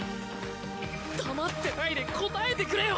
黙ってないで答えてくれよ